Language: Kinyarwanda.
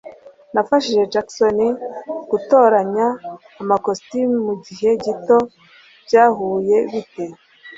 Nafashije Jackson gutoranya amakositimu mugihe gito… byahuye bite?